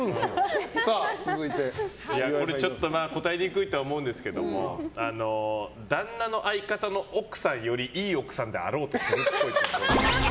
答えにくいとは思うんですけど旦那の相方の奥さんよりいい奥さんであろうとするっぽい。